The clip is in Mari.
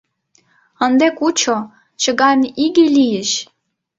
Ынде кучо — Чыган иге лийыч!